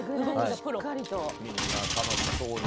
みんな楽しそうに。